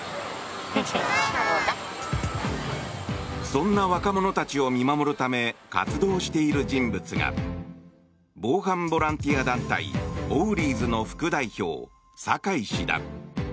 そんな若者たちを見守るため活動している人物が防犯ボランティア団体オウリーズの副代表、酒井氏だ。